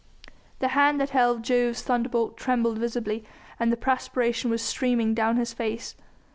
The hand that held Jove's thunderbolt trembled visibly, and the perspiration was streaming down his face.